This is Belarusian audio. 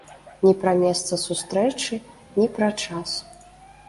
Ні пра месца сустрэчы, ні пра час.